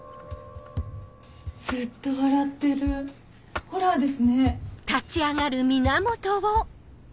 ずっと笑ってるホラーですね。